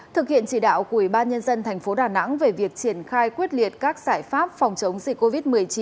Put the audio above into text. thực hiện chỉ đạo của ủy ban nhân dân tp đà nẵng về việc triển khai quyết liệt các giải pháp phòng chống dịch covid một mươi chín